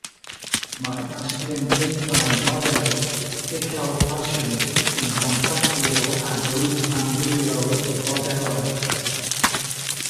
Mae asiantaethau modelu uchel ffasiwn yn contractio â grŵp amrywiol o fodelau.